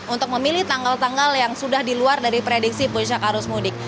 untuk memilih tanggal tanggal yang sudah di luar dari prediksi puncak arus mudik